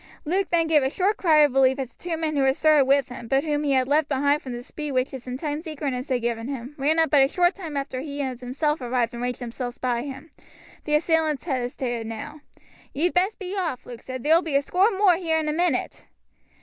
Luke then gave a short cry of relief as the two men who had started with him, but whom he had left behind from the speed which his intense eagerness had given him, ran up but a short minute after he had himself arrived and ranged themselves by him. The assailants hesitated now. "Ye'd best be off," Luke said; "there ull be a score more here in a minute."